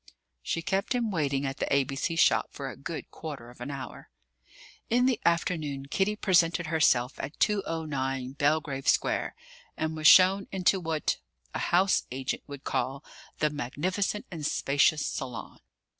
She kept him waiting at the A.B.C. shop for a good quarter of an hour. In the afternoon Kitty presented herself at 209, Belgrave Square, and was shown into what a house agent would call "the magnificent and spacious salon."